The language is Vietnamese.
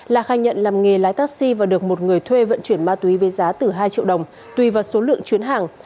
là khai nhận làm nghề lái taxi và được một người thuê vận chuyển ma túy với giá từ hai triệu đồng tùy vào số lượng chuyến hàng